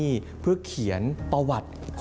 อ๋อออกไปอีก